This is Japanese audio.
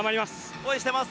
応援しています。